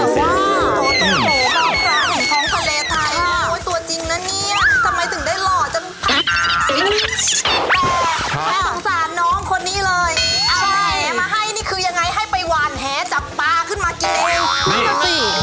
แต่สงสารน้องคนนี้เลยเอาแหมาให้นี่คือยังไงให้ไปหวานแหจับปลาขึ้นมากินเอง